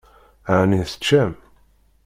Ɛni teččam?